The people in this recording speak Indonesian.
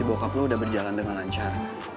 bokap lo udah berjalan dengan lancar